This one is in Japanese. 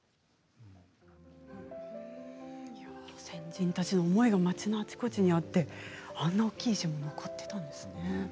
先人たちの思いが町のあちこちにあってあんな大きな石も残っていたんですね。